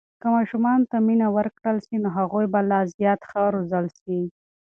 که ماشومانو ته مینه ورکړل سي، نو هغوی به لا زیات ښه روزل سي.